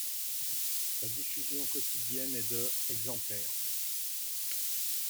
Sa diffusion quotidienne est de exemplaires.